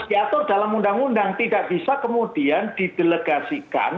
diatur dalam undang undang tidak bisa kemudian didelegasikan